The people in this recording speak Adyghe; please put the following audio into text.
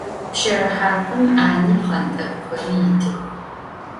Pşerıhap'em 'ani pxhent'ek'uxeri yitıx.